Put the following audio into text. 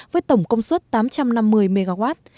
với tổng công suất của a